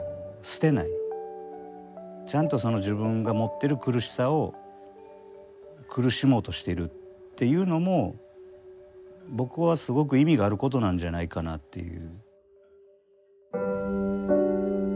ちゃんとその自分が持ってる苦しさを苦しもうとしているっていうのも僕はすごく意味があることなんじゃないかなっていう。